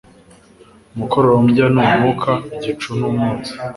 umukororombya ni umwuka, igicu ni umwotsi